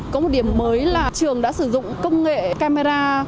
có một điểm mới là trường đã sử dụng công nghệ camera